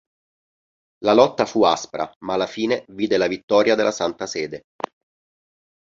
La lotta fu aspra, ma alla fine vide la vittoria della Santa Sede.